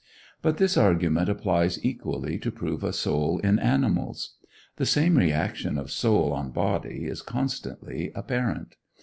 But this argument applies equally to prove a soul in animals. The same reaction of soul on body is constantly apparent.